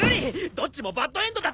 どっちもバッドエンドだって！